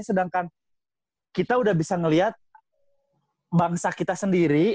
sedangkan kita udah bisa ngeliat bangsa kita sendiri